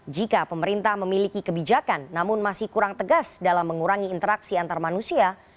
jika pemerintah memiliki kebijakan namun masih kurang tegas dalam mengurangi interaksi antar manusia